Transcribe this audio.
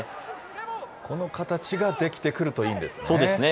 この形ができてくるといいんそうですね。